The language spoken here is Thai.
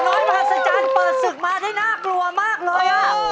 สาวน้อยมหัศจรรย์เปิดศึกมาได้น่ากลัวมากเลยอ่ะ